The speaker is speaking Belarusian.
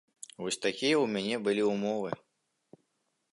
Вось такія ў мяне былі ўмовы.